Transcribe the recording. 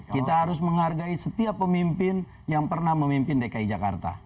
kita harus menghargai setiap pemimpin yang pernah memimpin dki jakarta